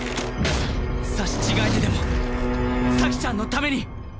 刺し違えてでも咲ちゃんのために！